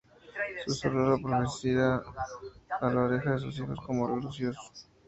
Susurro una profecía a la oreja de su hijos, como Lucius.